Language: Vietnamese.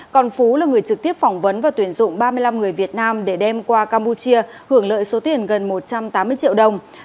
còn phú là người trực tiếp phỏng vấn và tuyển dụng ba mươi năm người việt nam để đem qua campuchia hưởng lợi số tiền gần một trăm tám mươi triệu đồng